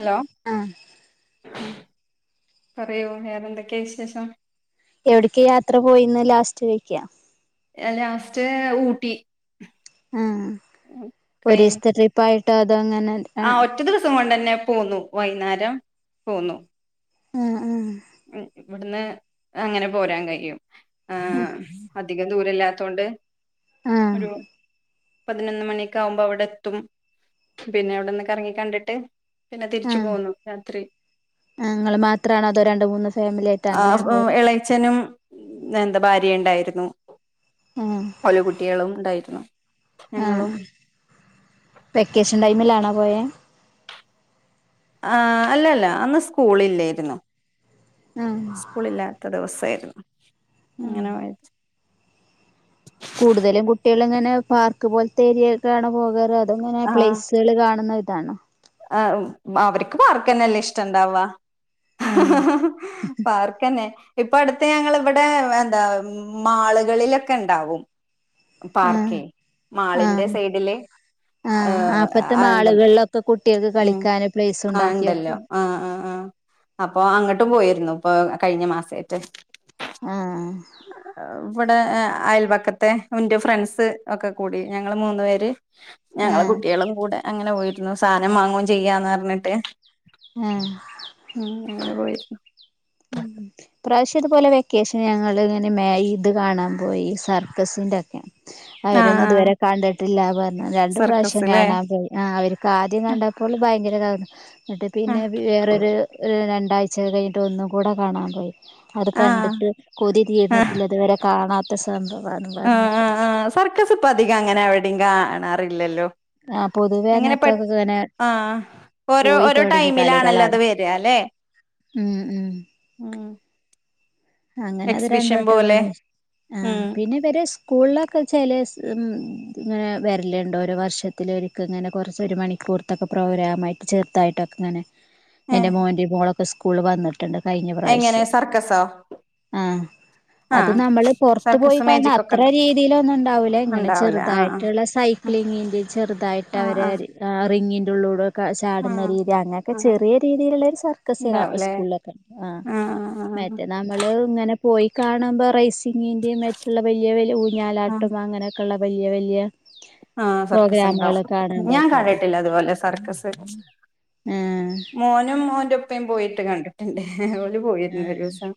Hello ആഹ് പറയോ വെറെ എന്തൊക്കെയാ വിശേഷം എവിടക്ക് യാത്ര പോയിന്ന് ലാസ്റ്റ് ചോദിക്ക ലാസ്റ്റ് ഊട്ടി ആ കൈ ഒരു ദിവസത്തെ ട്രിപ്പായിട്ട് ആ ഒറ്റ ദിവസം കൊണ്ടന്നെ പോന്നു വൈകുന്നേരം പോന്നു ഉം ഉം ഇവിടുന്ന് അങ്ങനെ പോരാൻ കഴിയും ആ അ- അധികം ദൂരല്ലാത്തോണ്ട് ആഹ് ഒരു ആഹ് പതിനൊന്ന് മണിയക്കെ ആകുമ്പോ അവിടെ എത്തും പിന്നെ അവിടെന്ന് കറങ്ങി കണ്ടിട്ട് പിന്നെ തിരിച്ചു ആഹ് പോന്നു രാത്രി ഇങ്ങള് മാത്രാണോ അതോ രണ്ട് മൂന്ന് ഫാമിലി ആയിട്ട് ആ അങ്ങനെയാണോ പോയെ ഇളയച്ചനും എന്താ ഭാര്യ ഉണ്ടായിരുന്നു ഓല കുട്ടികളും ഉണ്ടായിരുന്നു ആ ഞങ്ങളും വെക്കേഷൻ ടൈമിലാണോ പോയേ ആ് അല്ല അല്ല അന്ന് സ്കൂള് ഇല്ലായിരുന്നു ആഹ് സ്കൂളില്ലാത്ത ദിവസമായിരുന്നു ആഹ് അങ്ങനെ പോയേച്ച കൂടുതലും കുട്ടികൾ ഇങ്ങനെ പാർക്ക് പോലത്തെ ഏരിയയ്ക്കാണ് പോകാറ് അത് അതെങ്ങനെ പ്ലേസുകൾ കാണുന്ന ഇതാണ് ആ അവർക്ക് പാർക്കന്നെല്ലേ ഇഷ്ടുണ്ടാവ ആഹ് പാർക്കന്നെ ഇപ്പ അടുത്ത് ഞങ്ങൾ ഇവിടെ എന്താ മാളുകളിലൊക്കെ ഉണ്ടാവും ആഹ് പാർക്കേ മാളിന്റെ ആഹ് സൈഡില് ആഹ് അപ്പത്തെ [unintelligible] [unintelligible] മാളുകളിലൊക്കെ കുട്ടികൾക്ക് ഉം കളിക്കാന് പ്ലേസ് ആഹ് ഉണ്ടാക്കി ഇണ്ടല്ലോ വെക്കും ആഹ് ആഹ് ആഹ് അപ്പൊ അങ്ങട്ട് ട്ടും പോയിര്ന്നു ഇപ്പൊ കഴിഞ്ഞ മാസ ദിയിറ്റ് ആഹ് ഇവടെ അയൽവക്കത്തെ ഇന്റെ ഫ്രണ്ട്സ് ഒക്കെ കൂടി ഞങ്ങള് മൂന്നു പേര് ഞങ്ങളെ ആഹ് കുട്ട്യേളും കൂടെ അങ്ങനെ പോയിര്ന്നു സാനം വാങ്ങോയും ചെയ്യാന്ന് പറഞ്ഞിട്ട് ഉം ഉം അങ്ങനെ പോയി ഉം ഇപ്രാവശ്യം ഇതുപോലെ വെക്കേഷന് ഞങ്ങള് ഇങ്ങനെ മേ ഇത് കാണാൻ പോയി സർക്കസ് ഇതൊക്കെ അവരൊന്നും ആഹ് ഇതുവരെ കണ്ടിട്ടില്ല പറ്ഞ്ഞ്. രണ്ടു പ്രാവ്ശ്യം സർക്കസ്ല്ലേ കാണാൻ പോയി ആഹ് അവർക്ക് ആദ്യം കണ്ടപ്പോൾ ഭയങ്കര എന്നിട്ട് പിന്നെ ആഹ് വേറൊരു രണ്ടാഴ്ച കഴിഞ്ഞിട്ട് ഒന്നും കൂടെ കാണാൻ പോയി അത് ആഹ് കണ്ടിട്ട് കൊതി ആഹ് തീർന്നിട്ടില്ലതുവരെ കാണാത്ത സംഭവം ആഹ് ആഹ് ആഹ് സർക്കസ് ഇപ്പ അധിക അങ്ങനെ എവിടിം കാണാറില്ലല്ലോ ആ പൊതുവെ എങ്ങനെ പെ ട്ട് അങ്ങനത്തൊക്കെ ഇങ്ങനെ ആഹ് ഓരോ പോയി ഓരോ തുടങ്ങിയ ടൈമിലാണല്ലോ കളികളാണ് അത് വര ലെ ഉം ഉം ഉം അങ്ങനെ അത് രണ്ട് എക്സിബിഷൻ വട്ടം പോലെ [unintelligible] ആഹ്. ഉം പിന്നെ ഇവരെ സ്കൂള്ലൊക്കെ ചെല [unintelligible] ഇത് ഇങ്ങനെ വര്ല്ണ്ട് ഓരോ വർഷത്തി ത്തിലൊരിക്ക ഇങ്ങനെ കൊറച്ച് ഒരു മണിക്കൂറ്ത്തൊക്കെ പ്രോഗ്രാമായിട്ട് ചെറുതായിട്ടൊക്കെ ഇങ്ങനെ എന്റെ ഏഹ് മോന്റെ മോളൊക്കെ സ്കൂള് ള് വന്നി- റ്റണ്ട് കഴിഞ്ഞ എങ്ങനെ പ്രാവശ്യം സർക്കസോ ആഹ് അത് ആഹ് നമ്മള് പൊറത്ത് പോയി സർക്കസ് കാണ് ണ മേജിക് ഒക്കെ അത്ര ഉണ്ടോ രീതിയിലൊന്നു ഇണ്ടാവൂല ഇങ്ങനെ ഉണ്ടാവൂലേ ആഹ് ചെറുതായിട്ടുള്ള സൈ ക്ലിങ്ങിൻ്റെ ചെറുതായിട്ട് ആഹ് അവര് ആഹ് റിങ്ങിൻ്റെ ഉള്ളൂടെ ക ചാടുന്ന ആഹ് രീതി അങ്ങനൊക്കെ ആഹ് ആഹ് ചെറിയ രീതിയിലുള്ളരു സർക്കസ് ക ഉണ്ടാവുംല്ലേ സ്കൂളിലൊക്കെ ആഹ് ആഹ് ആഹ് മറ്റേ നമ്മള് ങ്ങനെ പോയി കാണുമ്പോൾ റേയ്സിങ്ങിന്റെ മറ്റുള്ള വലിയ വലിയ ആഹ് ഊഞ്ഞാലാട്ടം അങ്ങനെയൊക്കെ ള്ള വല്യ വല്യ ആഹ് സർക്കസ് ണ്ടാവും. ഞാൻ കാണിട്ടില്ല അതുപോലെ സർക്കസ് ആഹ് മോനും മോന്റെ ഉപ്പയും പോയിട്ട് കണ്ടിട്ടുണ്ട്. പോയിരുന്ന ഒരൂസം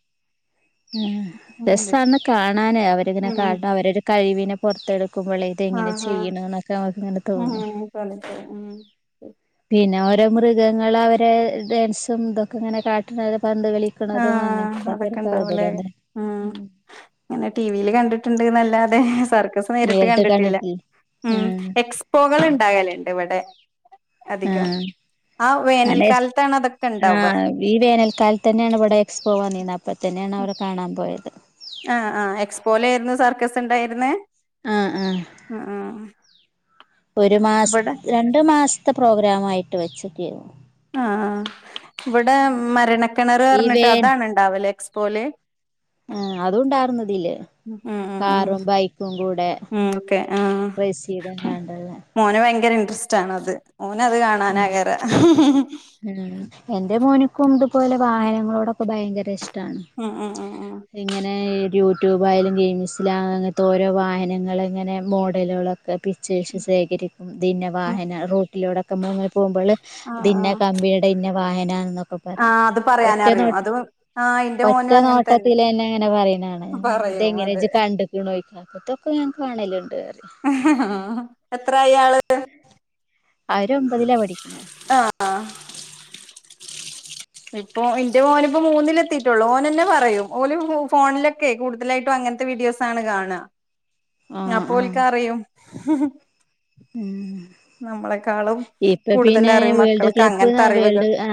ആഹ് ഞാൻ രസാണ് കണ്ടിട്ടുണ്ട് കാണാനേ അവരിങ്ങനെ ഉം കാട്ടാ അവരരു കഴിവിനെ പൊറത്തടുക്കുമ്പളെ ഇതങ്ങനെ ആഹ് ആഹ് ചെയ്യണ്ന്നക്കെ ന ഉം [unintelligible] ഉം പിന്നെ ഓരോ മൃഗങ്ങളവരെ ഡാൻസും തൊക്കെ ങ്ങനെ കാട്ട്ണത് ആഹ് അതൊക്കെണ്ടാവല്ലേ. കൗതുകം തന്നെ ആഹ് ഉം അങ്ങനെ ടിവില് കണ്ടിട്ടുണ്ട്ന്നല്ലാതെ തെ സർക്കസ് നേരിട്ട് കണ്ടിട്ടില്ല. ഉം ആഹ് എക്സ്പോകൾ ണ്ടാവലുണ്ട്. ഇവിടെ. അധികം ആഹ് ആ അല്ലെ വേനൽക്കാലത്താണ് അതൊക്കെ ഇണ്ടാവ ആഹ് ഈ വേനൽക്കാലതന്നെണ് ഇവടെ എക്സ്പോ വന്നീന്ന് അപ്പൊ ത്തന്നെയാണ് അവരേ കാണാൻ പോയത്. ആഹ് ആഹ് എക്സ്പോലായിരുന്നു സർക്കസ് ഉണ്ടായിരുന്നെ? ആഹ് ആഹ് അഹ് ആഹ് ഒരു മാസ് ഇവിടെ രണ്ട് മാസത്തെ പ്രോഗ്രാമായിട്ട് വെച്ചിക്കേരുന്നു. ആഹ് ആഹ് ഇവിടെ മരണക്കിണർ ഈ ർഞ്ഞിട്ട് അതാണ് ണ്ടാവല് എക്സ് പോലെ. ഏഹ് അതുണ്ടായിരുന്നിതില്. ഉം ഉം കാറും ബൈക്കും കൂടെ ഉം ഓക്കെ ആഹ് റെയ്സിതങ്ങാണ്ടല്ല. മോന് ഭയങ്കര ഇൻട്രസ്റ്റ് ആണത്. മോനത് ഉം കാണാനാകേറ. കുണ്ട്പോലെ വാഹനങ്ങളോടൊക്കെ ഭയങ്കര ഇഷ്ട്ടാണ് ഉം ഉം ഉം ഉം ഇങ്ങനെ ഈ യൂട്യൂബ് ആയാലും ഗെയിംസിൽ അങ്ങനത്തെ ഓരോ വാഹനങ്ങള് ഇങ്ങനെ മോഡലുകള് - പിച്ച് വ ശേഖരി [unintelligible] ക്കും. ദന്നെ ഉം വാഹനം റൂട്ടിലൂടക്കെ നമ്മള ഇങ്ങനെ പോകുമ്പോള് ആഹ് ഇത് ഇന്ന ആഹ് കമ്പിനിയുടെ ഇന്ന വാഹന അപ്പൊ പറയും ആഹ് അത് പറയാനറിയും ഒറ്റനോട്ട അത് ആഹ് ഇന്റെ മോനും അങ്ങനെ ഒറ്റനോട്ടത്തില് തന്നെ അങ്ങനെ പറയുന്നാണ് പറയും അത് ഇതെങ്ങനെയാെ കണ്ട കണോയ്ക്ക അപ്പത്തൊക്കെ ഞാക്ക് കാണലുണ്ട് പറയും എത്ര അയാള് അവര് ഒമ്പതിലാ പഠിക്കണെ ഇപ്പൊ എന്റെ മോനി ഇപ്പോ മൂന്നിലെത്തിയിട്ടുള്ളൂ ഓനന്നെ പറയും ഓന് ഫോണിലൊക്കെ കൂടുതലായിട്ടും അ അങ്ങനത്തെ വീഡിയോസാണ് കാണ്ക ആഹ് ആഹ് അപ്പോലക്കറിയും ഉം ഇപ്പൊ കൂടുതൽ പിന്നെ അറിയും വേൾഡ് മക്കൾക്ക് ക്ലബ്ബ് അങ്ങനത്തെ അറിവുകൾ വേൾഡ് ആ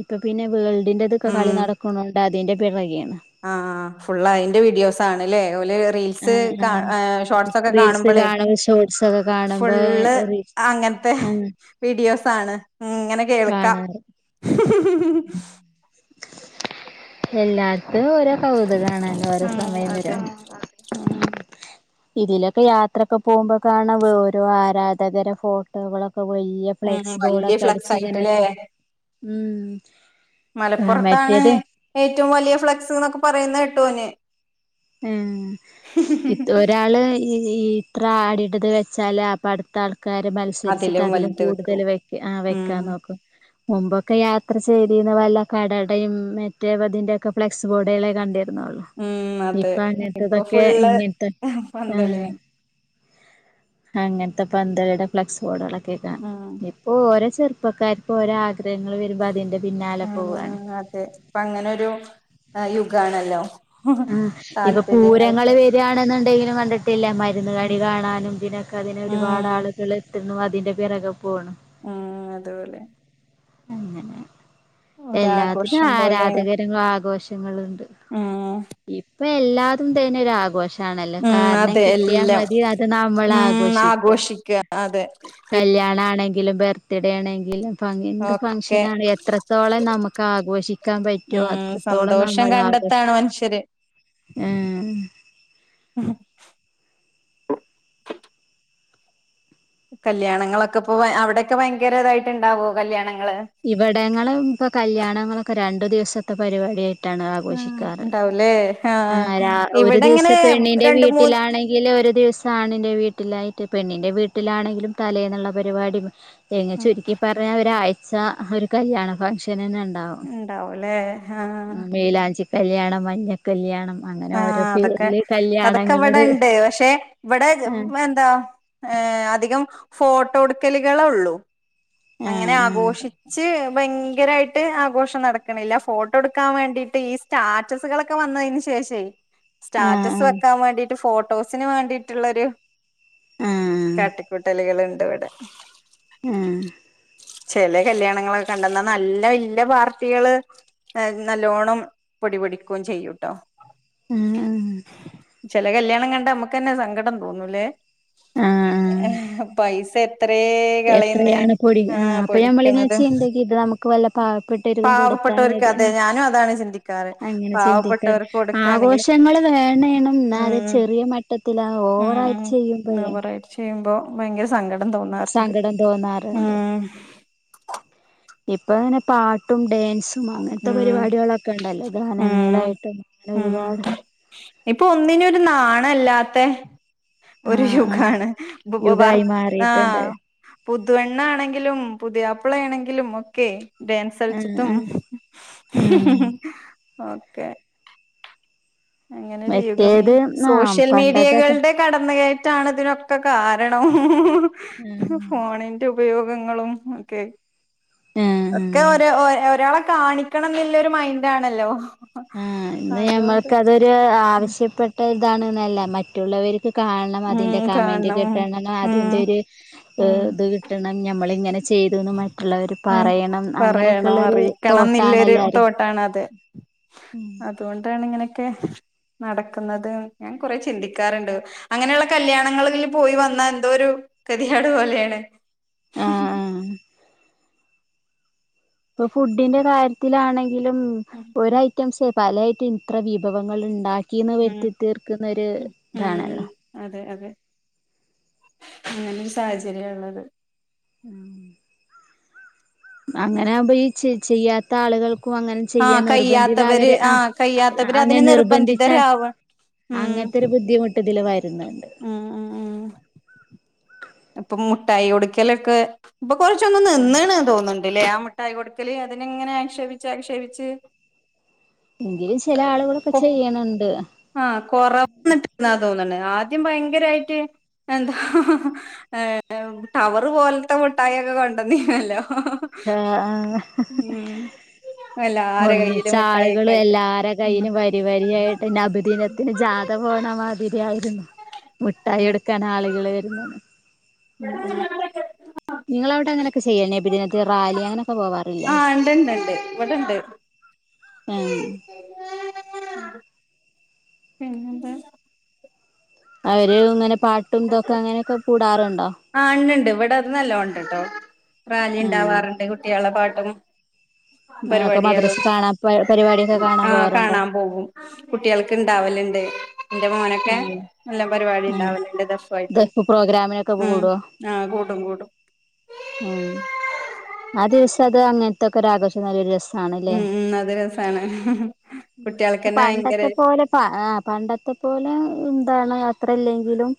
ഇപ്പൊ പിന്നെ വേൾഡിന്റെതൊക്കെ കളി ഉം നടക്കുണോണ്ട് അതിന്റെ പിറകെയാണ് ആഹ് ഫുള്ള അതിന്റെ വീഡിയോസാണ്ല്ലേ അതേപോലെ റീൽസ് ആഹ് കാ ആഹ് ഷോർട്സ് ഒക്കെ റീൽസ് കാണുമ്പോളെ കാണുമ്പോ ഷോർട്സ് ഒക്കെ കാണുമ്പോ ഫുള്ള് റീൽസ് അങ്ങനത്തെ വീഡിയോസാണ് ഇങ്ങനെ കേൾക്കാ ആണ് [unintelligible] എല്ലാത്തും ഓരോ കൗ അത് കാണ ഓരോ ഉം സമയം അതെ വരും ഉം ഇതിലൊക്കെ യാത്രൊക്കെ പോകുമ്പോ കാണ ഓരോ ആരാധകര ഫോട്ടോകളൊ ഒക്കെ വലിയ ഉം ഫ്ലെക്സ് വല്യ ബോർഡൊക്കെ ഫ്ലക്സ് അടിച്ച് ഇങ്ങനെ ആയിട്ട്ല്ലേ ഉം മലപ്പുറത്താണ് മറ്റേത് ഏറ്റവും വലിയ ഫ്ലെക്സ്ന്നൊക്കെ പറയുന്ന ട്ടോന് ആ ഇപ്പ ഒരാള് ഈ ഈ ഇത്ര ആടിടത് വെച്ചാല് അപ്പ അടുത്ത ആൾക്ക് ക്കാര് മത്സരിച്ചിട്ട് അതിലും വലുത് കൂടുതൽ വെക്കും വെക്ക ആ വെക്കാൻ ഉം നോക്കും മുമ്പൊക്കെ യാത്ര ചെയ്തിന്ന വല്ല കടെടയും മറ്റേവതിന്റെക്കെ ഫ്ലെക്സ് ബോർഡുകളെ കണ്ടി രുന്നോള്ള് ഉം അതെ ഇപ്പ ഇപ്പൊ അങ്ങനത്തതൊക്കെ ഫുള്ള് ഇങ്ങനത്തെ ആഹ് പന്തളിയാണ് അങ്ങ ത്ത ഇ പന്ടെ ഫ്ലക്സ് ബോർഡുകള കേൾക്കാണ് ഉം ഇപ്പോ ഓരോ ചെറുപ്പക്കാർക്ക് ഓരോ ആഗ്രഹങ്ങള് വരുമ്പോ അതി്ന്റെ ഉം അതെ ഇപ്പൊ അങ്ങനൊരു യുഗാണല്ലോ ഉം ഇപ്പൊ താല്പര്യങ്ങൾക്ക് പൂരങ്ങള് വരികാണെന്നുണ്ടെങ്കി ഞാനും കണ്ടിട്ടില്ല മരുന്ന് ഉം കടി കാണാനും പിന്നൊക്കെ ഉം അതിനൊരുപാടാളുകള് തിന്നു അതിന്റെ പിറക പോണം ഉം അതുപോലെ അങ്ങനെ എല്ലാത്തിനും ഒരാഘോഷം ആരാധകരും ആഘോഷങ്ങള് മ്മ് ഇപ്പോ എല്ലാതും തന്നൊരു ആഘോഷം ണല്ലോ ഉം കാരണം അതെ കിട്ടിയാൽ എല്ലാം മതി അത് നമ്മള് ഉം ആഘോഷിക്ക അതെ കല്ല്യാണണകിലും ബർത്ത് ഡേ ണെങ്കിലും അപ്പൊങ്ങനൊക്കെ ഒക്കെ മനഷനാണ് എത്രത്തോളം നമുക്ക് ആഘോഷിക്കാൻ പറ്റോ അത്രത്തോളം നമ്മൾ ആഘോഷ മ്മ് ശരി ഏ ഒ കല്യാണങ്ങളൊക്കെ ഇപ്പ അവിടൊക്കെ ഭയങ്കരതായിട്ട് ഇ ണ്ടാകോ കല്യാണങ്ങ ഇവിടങ്ങളും ഇപ്പൊ കല്യാണങ്ങളൊക്കെ രണ്ടു ദിവസത്തെ പരിപാടിയായിട്ട് ട്ടാണ് ആഹ് ആഘോഷിക്കാറ് ഉണ്ടാവൂലേ ആഹ് ഒരു ഇവിടെ ഇങ്ങനെ ദിവസം പെണ്ണിന്റെ രണ്ട് മൂന്ന് വീട്ടിലാണെകിലു ഒരു ഒരു ദിവസം ആണിന്റെ വീട്ടിലായി് പെണ്ണിന്റെ വീട്ടിലാണെങ്കിലും തലേന്നുള്ള പരിപാടി എങ്ങ ഉം ചുരുക്കി പറഞ്ഞാൽ ഒരാഴ്ച ഒരു കല്യാണ ഫംഗഷൻന്നണ്ടാവും ഉണ്ടാവുംല്ലേ ആഹ് മേലാഞ്ചി കല്ല്യാണം മഞ്ഞ കല്യാണം അങ്ങനെ ആ ഓരോ അതൊക്കെ പേരില് അതൊക്കെ ഇവിടെ കല്യാണങ്ങളോട് ഇണ്ട് പക്ഷെ ഇവിടെ ആഹ് എന്താ അതികം ഫോട്ടോടുക്കലികള്ള അങ്ങനെ ആഘോ ആഹ് ഭയങ്കരായിട്ട് ആഘോഷം നടക്കണില്ല ഫോട്ടോ ടുക്കാൻ വേണ്ടിട്ട് ഈ സ്റ്റാറ്റസുകളൊക്കെ വന്നതിന് ശേ അയ്ശേരി സ്റ്റാറ്റസ് ആഹ് വെക്കാൻ വേണ്ടീട്ട് ഫോട്ടോസിന് വേണ്ടിട്ടുള്ളരു ആഹ് ആഹ് കാട്ടിക്കുട്ടലുകൾുണ്ട് ഇവടെ ആഹ ചെല കല്യാണങ്ങളൊക്കെ കണ്ടന്നാ നല്ല വല്ല്യ പാർട്ടികള് നല്ലോണം പൊടിപൊടിക്കും ചെയ്യൂട്ടോ ആഹ് ആഹ് ചില കല്യാണം കണ്ടാ നമുക്ക്ന്നെ സങ്കടം തോന്നൂലേ ആഹ് പൈസ അത്രേ കളയുന്ന എത്രയാണ് പൊടി ആഹ് ആഹപൊടിക്കണത് പാവപ്പെട്ടിരിക്കും കൊടുത്താൽ മതി ഞാനും അതാണ് ചിന്തിക്കാറ് അങ്ങനെ ചിന്തിക്കാൻ പാവപ്പെട്ടവർക്ക് കൊടുക്കാണെങ്കില് ആഘോഷ ഞങ്ങള് വേണേണം ന്നാത് ഉം ചെറിയ മട്ടത്തില ഉം ഓവറ ആായിട്ട് ഉം ചെയ്യുമ്പയേ ഓവറായിട്ട് ചെയ്യുമ്പോ ഭയങ്കര സങ്കടം തോന്നാറ്ണ്ട് തോന്നാറുണ്ട് ഉം ഇപ്പൊങ്ങനെ പാട്ടും ഡേ സും അങ്ങനത്തെ ഉം പരിപാടികളൊക്കെ ണ്ടല്ലോ ഉം ഗാനമീളായിട്ടും അങ്ങനെ ഉം ഒരുപാട് ഇപ്പൊ ഒന്നിന്നൊരു നാണല്ലാത്തെ ഒരു ആഹ് ആഹ് ശുഖാണ് വർ യുഗായി ആഹ മാറിയിട്ടുണ്ട് പുതുവെണ്ണ ണെങ്കിലും പുതിയാപ്പളാ ണെങ്കിലും ഒക്കെ ഡാൻസ് കൾചിട്ടും ഹ് ഓക്കേ അങ്ങനെരു യുഗംമേ മറ്റേത് ആഹ് സോഷ്യൽ പണ്ടത്തൊക്കെ മീഡിയകളുടെ കടന്ന് കയട്ട ണൊക്കെ കാരണം ആഹ് ഫോണിന്റെ ഉപയോഗങ്ങളും ഒക്കെ ഒക്കെ ആഹ് ഒരാള കാണിക്കണം ന്നുല്ലോരു മൈന്റാണല്ലോ ആ ഇന്ന് ഞമ്മൾക്ക് അതൊരു ആവശ്യപ്പെട്ട ഇതാണ്ന്നല്ല മറ്റുള്ളവര് ക്ക് കാൺണം ഉം അതിന്റെ കമന്റ് കാണണം കിട്ടണംന്നോ ഉം അതിന്റൊരു ഉം ഇത് കിട്ടണം ഞമ്മളെ ഇങ്ങനെ ചെയ്തുന്ന് മറ്റുള്ളവര് ഉം പറയണം പറയണം അങ്ങനെയൊക്കെള്ളരു അറിയിക്കണംന്നില്ലൊരു തൊട്ടാണല്ലാരും ഉം ന്താണ് ഇങ്ങനോക്കെ നടക്കുന്നത് ഞ കുറെ ചിന്തിക്കാറ്ണ്ട് അങ്ങനെയുള്ള കല്യാണങ്ങളിൽ പോയി വന്ന ന്തൊരു കതിയെട് പോലെണ് ആഹ് ഇഹും ആഹ് ഇപ്പൊ ഫുഡിന്റെ കാര്യത്തിലാണെങ്കിലും ഒര് ഐറ്റംസ് പലായിട്ടും ഇത്ര വിഭവങ്ങൾ ഇണ്ടാക്കി ക്കീന്ന് ഉം വരുത്തി തീർക്കുന്നൊരു ഉം ഉം ഇതാണല്ലോ അതെ അതെ അങ്ങനൊരു സാഹചര്യള്ളത്. ഹാ അങ്ങനാകുമ്പോ ഈ ച്ചി ചെയ്യാത്ത ആളുകൾ ക്കും അങ്ങനെ ആ ചെയ്യാൻ നിർബന്ധിത കയ്യാത്തവര് അവരെ ആ കയ്യാത്തവര് അങ്ങനെ അതിന് നിർബന്ധിച്ചാൽ നിർബന്ധിതരാവ അങ്ങനത്തെ ഒരു ബുദ്ധിമുട്ട ഇതില് വര ആ ആ ആ അപ്പൊ മുഠായികൊട്ക്കലൊക്കെ ഇപ്പൊ കൊറച്ചൊന്ന് നിന്നി ണ് തോന്നണ്ട്. ഉണ്ടല്ലേ ആ മുട്ടായി കൊടുക്കല് അതിനങ്ങനെ ആക്ഷേപിച്ചു ആക്ഷേപിച്ച്. എങ്കിലും ചില ആളുകളൊക്കെ കൊ ചെയ്യണുണ്ട്. ആഹ് [inaudible] തോന്നുണ്. ആദ്യം ഭയങ്കരായിട്ട് എന്താ ടവർ പോലത്തെ മുട്ടായൊക്കെ കൊണ്ടന്നീല്ലോ. ആ ആഹ് എല്ലാരെ കയ്യിലും മുട്ടായൊക്കെ ഒന്നിച്ചാളുകള് ആയിട്ട് എല്ലാരെ ഉം കയ്യിലും വരി വരിയായിട്ട് നഭി ദിനത്തിന് ജാഥ പോണ മാതിരി ആയിരുന്നു മുട്ടായി ഉം എടുക്കാൻ ആളുകള് പിന്നെ ഉം നിങ്ങളവിടെ അങ്ങനെയൊക്കെ ചെയ്യ. നബിദിനത്തിന് റാലി അങ്ങനെയൊക്കെ പോവാറില്ല? ആഹ് ഇണ്ട്ണ്ട്ണ്ട് ഇവിടെണ്ട് എഹ് പിന്നെന്താ? അവര് ഇങ്ങനെ പാട്ടും ഇതൊക്കെ അങ്ങനെയൊക്കെ കൂടാറു ആ ഇണ്ട്ണ്ട് ഇവിടെ അത് നല്ലോണണ്ട്ട്ടോ റാലി ആഹ് ഇണ്ടാവാറുണ്ട് കുട്ടികളെ പാട്ടും ഒക്കെ പരിപാടികൾ മദ്രസ് കാണാൻ പരിപാടിയൊക്കെ കാണാൻ [inaudible] ആ പോവാറുണ്ടോ കാണാൻ പോകും കുട്ടികൾക്ക് ഇണ്ടാവലുണ്ട്. എന്റെ മോനൊക്കെ ആഹ് നല്ല പരിപാടി ആഹ് ഇണ്ടാവലണ്ട് ദഫായിട്ടും ദഫ് പ്രോഗ്രാമിനൊക്കെ ഉം കൂടുവോ ആഹ് കൂടും, കൂടും. ആഹ് ആ ദിവസം അത് അങ്ങനത്തൊക്കെ ആഘോഷം നല്ലൊരു രസ ആണ്ലെ. ഉം ഉം അത് രസാണ് കുട്ടികൾക്കന്നെ ഭയങ്കര പണ്ടത്തെപോലെ ആ പണ്ടത്തെപോലെ ബടെ എന്താണ് യാത്രല്ലെങ്കിലും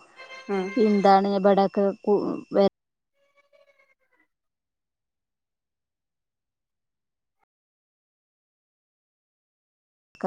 ആ എന്താണ് ബടെ കാക്കു വ